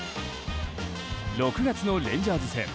６月のレンジャーズ戦。